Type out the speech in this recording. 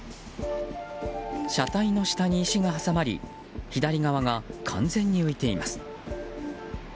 車体の下に石が挟まり左側が完全に浮いています。